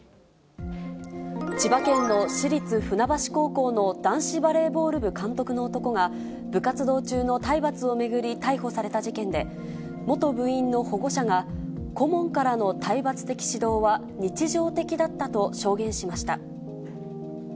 千葉県の市立船橋高校の男子バレーボール部監督の男が、部活動中の体罰を巡り逮捕された事件で、元部員の保護者が、顧問からの体罰的指導は日常的だったと証言しました。